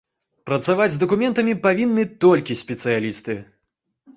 Працаваць з дакументамі павінны толькі спецыялісты.